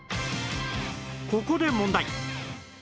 ここで問題